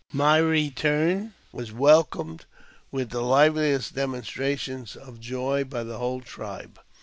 My return was welcomed with the liveliest demonstrations of joy by the whole tribe.